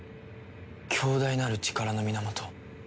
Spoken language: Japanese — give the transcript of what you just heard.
強大なる力の源。